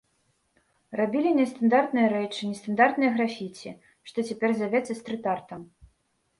Рабілі нестандартныя рэчы, нестандартныя графіці, што цяпер завецца стрыт-артам.